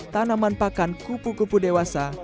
tanaman pakan kupu kupu dewasa